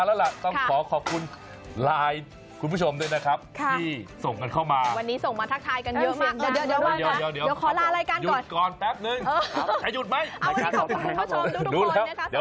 จัดตั้งแต่ตอนเข้ารายการแล้วน่ะ